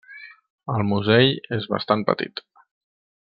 El musell és bastant petit.